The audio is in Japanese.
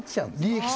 利益